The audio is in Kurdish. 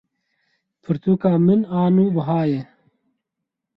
Pirtûka min a nû buha ye.